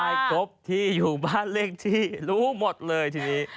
ครบที่อยู่บ้านเลขที่รู้หมดเลยทีนี้